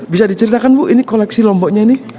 bisa diceritakan bu ini koleksi lomboknya ini